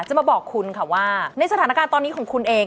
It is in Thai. จะมาบอกคุณค่ะว่าในสถานการณ์ตอนนี้ของคุณเอง